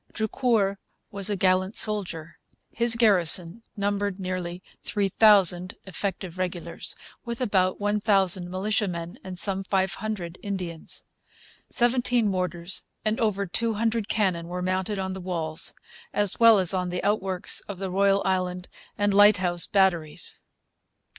Drucour was a gallant soldier. His garrison numbered nearly 3,000 effective regulars, with about 1,000 militiamen and some 500 Indians. Seventeen mortars and over two hundred cannon were mounted on the walls, as well as on the outworks at the Royal, Island, and Lighthouse Batteries.